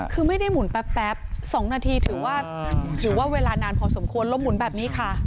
คือไม่ได้หมุนแป๊บ๒นาทีถือว่าถือว่าเวลานานพอสมควรลมหมุนแบบนี้ค่ะ